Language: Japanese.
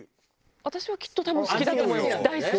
私はきっと多分好きだと思います。